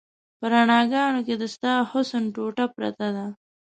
په رڼاګانو کې د ستا حسن ټوټه پرته ده